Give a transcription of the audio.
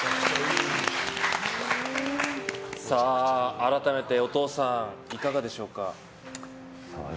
改めて、お父さんいかがでしょうか？